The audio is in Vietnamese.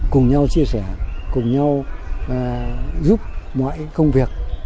cùng nhau chia sẻ cùng nhau và giúp mọi công việc